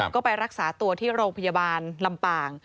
ก็ไปรักษาตัวที่โรงพยาบาลลำปาง